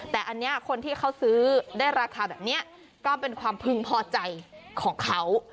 แต่อันนี้คนที่เขาซื้อได้ราคาแบบนี้ก็เป็นความพึงพอใจของเขา